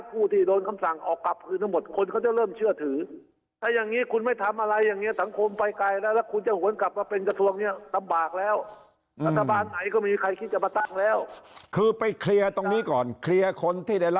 ผู้ที่โดนคำสั่งออกกลับพื้นทั้งหมดคนเขาจะเริ่มเชื่อถือ